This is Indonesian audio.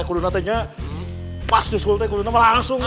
kudunate nya pas disulit ke kudunate langsung